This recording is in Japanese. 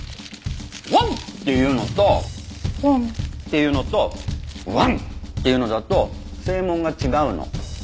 「ワンッ！」っていうのと「ワン」っていうのと「ワンッ！！」っていうのだと声紋が違うの。